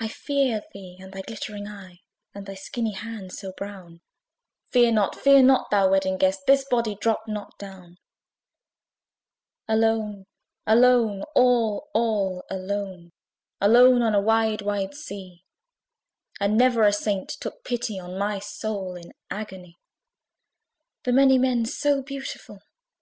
"I fear thee and thy glittering eye, And thy skinny hand, so brown." Fear not, fear not, thou Wedding Guest! This body dropt not down. Alone, alone, all, all alone, Alone on a wide wide sea! And never a saint took pity on My soul in agony. The many men, so beautiful!